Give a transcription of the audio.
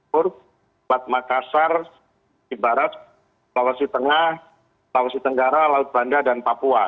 seperti barat tawasi tengah tawasi tenggara laut banda dan papua